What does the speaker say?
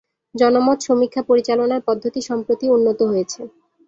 জনমত সমীক্ষা পরিচালনার পদ্ধতি সম্প্রতি উন্নত হয়েছে।